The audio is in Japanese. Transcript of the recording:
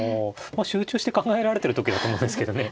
集中して考えられてる時だと思うんですけどね。